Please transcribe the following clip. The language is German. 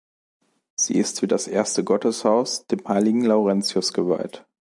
Sie ist wie das erste Gotteshaus dem Heiligen Laurentius geweiht.